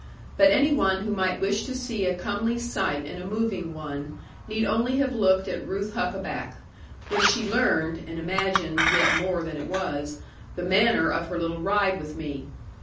But any one who might wish to see a comely sight and a moving one, need only have looked at Ruth Huckaback, when she learned (and imagined yet more than it was) the manner of her little ride with me.